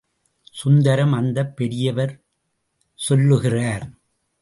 சுந்தரம் அந்தப் பெரியவர் சொல்லுகிறார்.